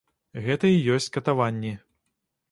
Гэта і ёсць катаванні.